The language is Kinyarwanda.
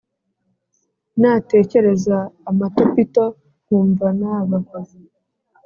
natecyereza amatopito nkumva naba